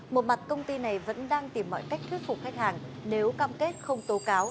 một mặt công ty này vẫn đang tìm mọi cách thuyết phục khách hàng nếu cam kết không tố cáo